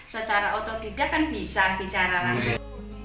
secara otot tidak kan bisa bicara langsung